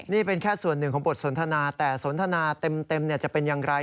นี่เป็นแค่ส่วนหนึ่งของบทสนทนาแต่สนทนาเต็มจะเป็นอย่างไร